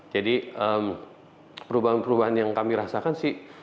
jadi perubahan perubahan yang kami rasakan sih